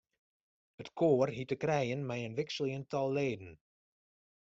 It koar hie te krijen mei in wikseljend tal leden.